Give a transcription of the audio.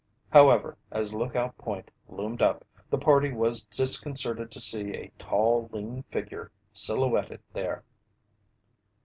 However, as Lookout Point loomed up, the party was disconcerted to see a tall, lean figure silhouetted there.